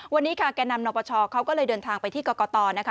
วันนี้ค่ะแก่นำนปชเขาก็เลยเดินทางไปที่กรกตนะคะ